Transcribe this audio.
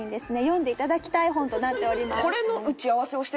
読んで頂きたい本となっております。